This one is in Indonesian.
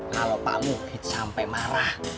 kalau pak mugid sampe marah